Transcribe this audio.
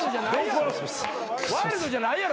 ワイルドじゃないやろ。